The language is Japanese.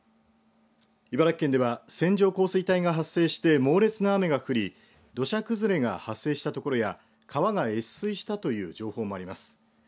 茨城県では線状降水帯が発生して猛烈な雨が降り土砂崩れが発生した所や川が越水したという情報もあります。